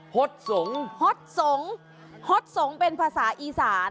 สงฆ์ฮดสงฆ์ฮดสงฆ์เป็นภาษาอีสาน